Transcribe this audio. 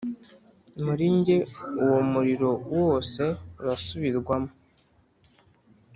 muri njye uwo muriro wose urasubirwamo,